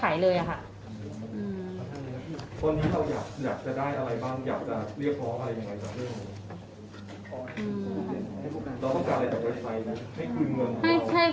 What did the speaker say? ตอนนี้เราอยากจะได้อะไรบ้างอยากจะเรียกพร้อมอะไรยังไงกับเรื่องนี้